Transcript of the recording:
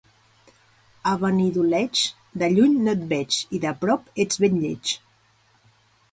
A Benidoleig, de lluny no et veig i de prop ets ben lleig.